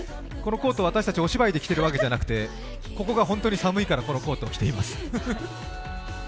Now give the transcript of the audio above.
このコート、私たち、お芝居で着ているわけではなくてここが本当に寒いからこのコートを着ています。